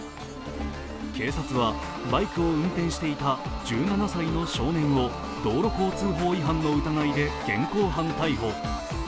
警察はバイクを運転していた１７歳の少年を道路交通法違反の疑いで現行犯逮捕。